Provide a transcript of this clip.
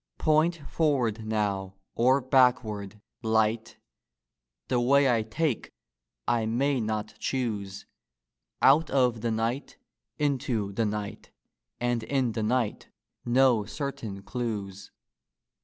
Point forward now or backward, Light! The way I take I may not choose: Out of the night into the night, And in the night no certain clews.